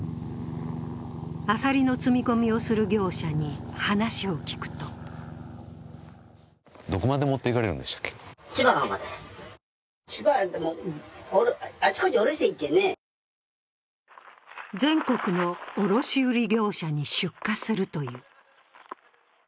アサリの積み込みをする業者に話を聞くと全国の卸売業者に出荷するという。